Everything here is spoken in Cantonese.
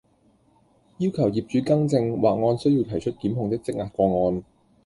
要求業主更正或按需要提出檢控的積壓個案